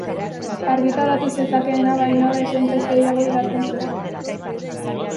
Argitaratu zezakeena baino dezentez gehiago idazten zuen.